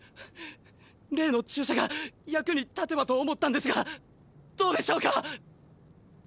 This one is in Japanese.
例の注射が役に立てばと思ったんですがどうでしょうか？